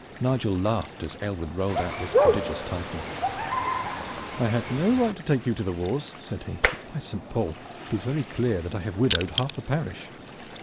Nigel laughed as Aylward rolled out this prodigious title. "I had no right to take you to the wars," said he; "for by Saint Paul! it is very clear that I have widowed half the parish.